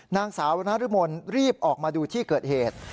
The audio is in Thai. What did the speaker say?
นางสาวนรมนรีบออกมาดูที่เกิดเหตุ